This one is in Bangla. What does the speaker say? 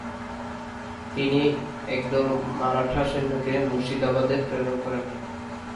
তিনি একদল মারাঠা সৈন্যকে মুর্শিদাবাদে প্রেরণ করেন।